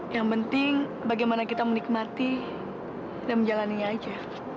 yang penting bagaimana kita menikmati dan menjalannya aja